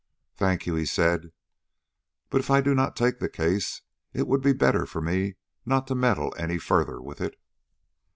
"Thank you," said he; "but if I do not take the case, it would be better for me not to meddle any further with it."